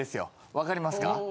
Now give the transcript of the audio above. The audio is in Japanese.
わかりますか？